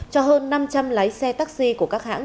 cho hơn năm trăm linh lái xe taxi của các hãng